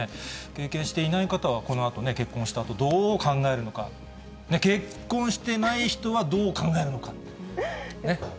経験していない方はこのあとね、結婚したあと、どう考えるのか、結婚してない人はどう考えるのか。ね？